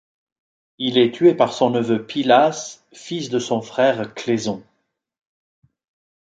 Il est tué par son neveu Pylas, fils de son frère Cléson.